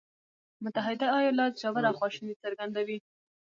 متحده ایالات ژوره خواشیني څرګندوي.